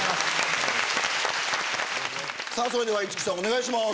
それでは市來さんお願いします。